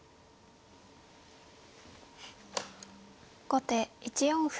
後手１四歩。